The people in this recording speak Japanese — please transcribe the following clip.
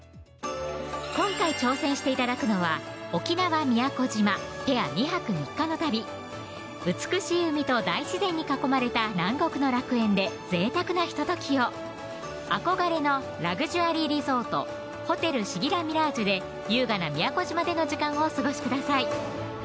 今回挑戦して頂くのは沖縄・宮古島ペア２泊３日の旅美しい海と大自然に囲まれた南国の楽園でぜいたくなひとときを憧れのラグジュアリーリゾート・ホテルシギラミラージュで優雅な宮古島での時間をお過ごしください